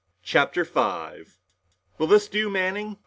CHAPTER 5 "Will this do, Manning?"